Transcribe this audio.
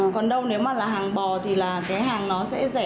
còn đâu nếu mà hàng bò thì hàng nó sẽ rẻ